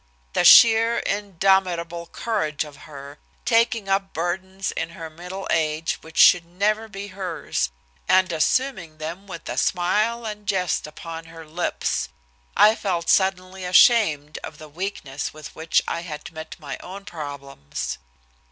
The sheer, indomitable courage of her, taking up burdens in her middle age which should never be hers, and assuming them with a smile and jest upon her lips! I felt suddenly ashamed of the weakness with which I had met my own problems.